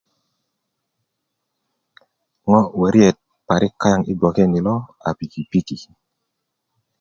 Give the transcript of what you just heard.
ŋo wöriet parik kaŋ i bgwoke ni lo a pikipiki